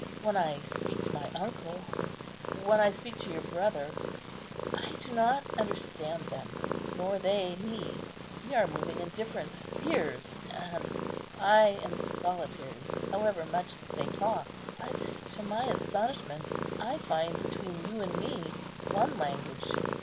When I speak to my uncle, when I speak to your brother, I do not understand them, nor they me. We are moving in different spheres, and I am solitary, however much they talk. But to my astonishment, I find between you and me one language.